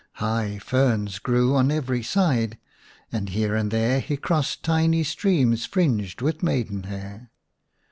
High ferns grew on every side, and here and there he crossed tiny streams fringed with maidenhair.